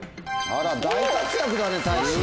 あら大活躍だねたいし！